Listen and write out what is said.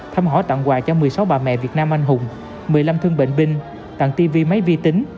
thăm hỏi tặng quà cho một mươi sáu bà mẹ việt nam anh hùng một mươi năm thương bệnh binh tặng tv máy vi tính